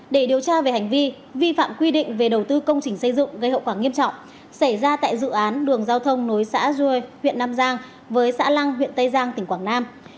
để điều tra về hành vi vi phạm quy định về đầu tư công trình xây dựng gây hậu quả nghiêm trọng xảy ra tại dự án đường giao thông nối xã du lịch huyện nam giang với xã lăng huyện tây giang tỉnh quảng nam